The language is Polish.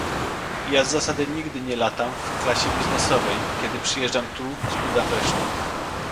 Ja z zasady nigdy nie latam w klasie biznesowej, kiedy przyjeżdżam tu z Budapesztu